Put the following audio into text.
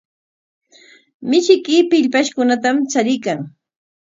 Mishiyki pillpashkunatam chariykan.